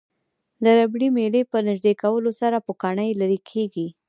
د ربړي میلې په نژدې کولو سره پوکڼۍ لرې کیږي.